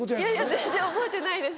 全然覚えてないです。